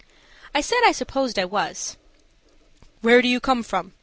I said I supposed I was. "Where do you come from?"